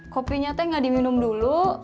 kopinya teh nggak diminum dulu